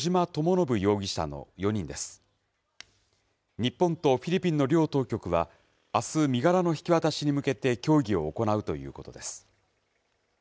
日本とフィリピンの両当局は、あす、身柄の引き渡しに向けて協議を行うということです。